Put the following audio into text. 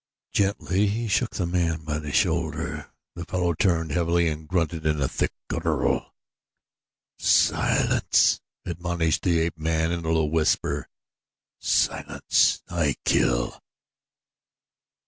Gently he shook the man by the shoulder. The fellow turned heavily and grunted in a thick guttural. "Silence!" admonished the ape man in a low whisper. "Silence I kill."